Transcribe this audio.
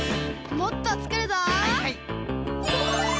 もっとつくるぞ！